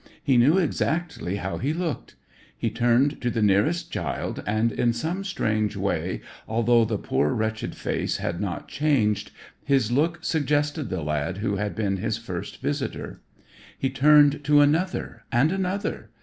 He knew exactly how he looked. He turned to the nearest child and in some strange way, although the poor, wretched face had not changed, his look suggested the lad who had been his first visitor. He turned to another and another.